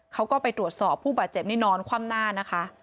เขาก็ไปตรวจสอบผู้บาดเจ็บนี่นอนคว่ำหน้านะคะ